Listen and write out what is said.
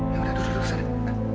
ya udah duduk duduk